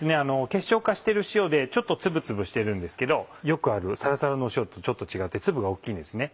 結晶化してる塩でちょっと粒々してるんですけどよくあるサラサラの塩とちょっと違って粒が大っきいんですね。